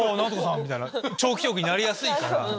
みたいな長期記憶になりやすいから。